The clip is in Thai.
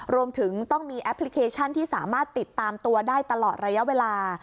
รวมถึงต้องมีแอปพลิเคชันที่สามารถติดตามตัวได้ตลอดระยะเวลา